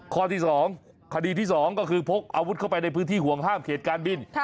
ข้อที่๒คดีที่๒ก็คือพกอาวุธเข้าไปในพื้นที่ห่วงห้ามเขตการบิน